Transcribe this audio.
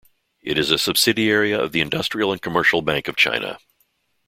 It is a subsidiary of the Industrial and Commercial Bank of China.